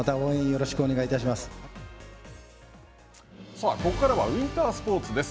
さあ、ここからはウインタースポーツです。